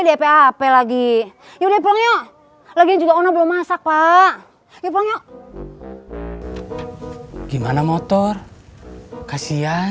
dipepe lagi yuk pulang yuk lagi juga ona belum masak pak gimana motor kasihan